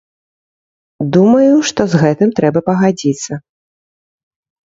Думаю, што з гэтым трэба пагадзіцца.